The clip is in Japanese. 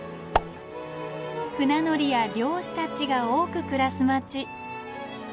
船乗りや漁師たちが多く暮らす街。